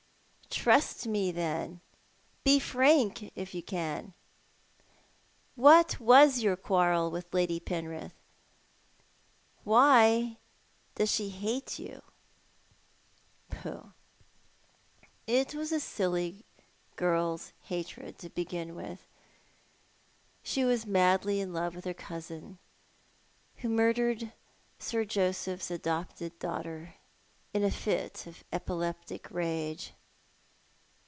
" Trust me, then. Bo frank, if you can. What was your quarrel witli Lady Penrith ? Why does she hate you ?" "Pooh ! It was a girl's silly hatred, to begin with. She was madly in love with her cousin, who murdered Sir Joseph's adopted daughter in a fit of epileptic rage."